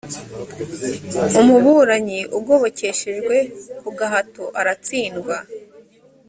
umuburanyi ugobokeshejwe ku gahato aratsindwa